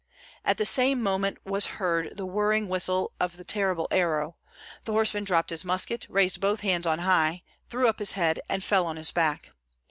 At the same moment was hoard the whirring whistle of the terrible arrow; the horseman dropped his musket, raised both hands on high, threw up his head, and fell on his back.